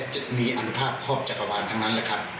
จะมีอนุภาพครอบจักรวาลทั้งนั้นแหละครับ